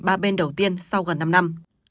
ba bên đầu tiên sau gần năm năm